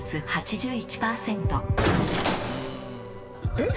えっ？